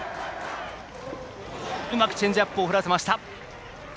うまくチェンジアップを振らせました。